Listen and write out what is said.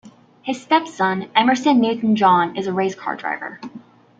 His stepson, Emerson Newton-John, is a race car driver.